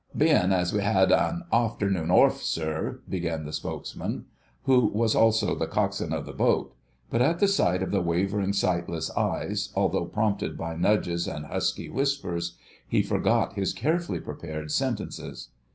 "Bein' as we 'ad an arfternoon orf, sir," began the spokesman, who was also the Coxswain of the boat. But at the sight of the wavering, sightless eyes, although prompted by nudges and husky whispers, he forgot his carefully prepared sentences.